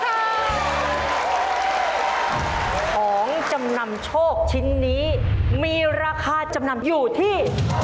ของจำนำโชคชิ้นนี้มีราคาจำนำอยู่ที่